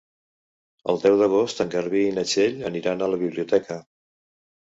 El deu d'agost en Garbí i na Txell aniran a la biblioteca.